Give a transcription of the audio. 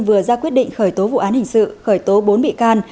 vừa ra quyết định khởi tố vụ án hình sự khởi tố bốn bị can